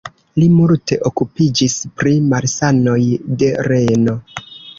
Li multe okupiĝis pri malsanoj de reno.